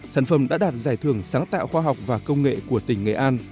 sản phẩm đã đạt giải thưởng sáng tạo khoa học và công nghệ của tỉnh nghệ an